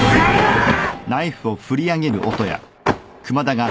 あっ！